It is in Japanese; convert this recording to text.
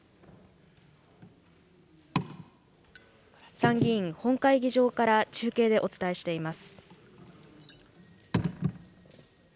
参議院本会議場から中継でお伝えしています。